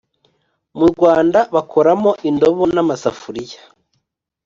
mu Rwanda bakoramo indobo n’amasafuriya